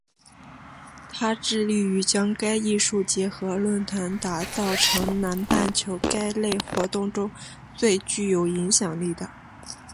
它致力于将该艺术节和论坛打造成南半球该类活动中最具影响力的。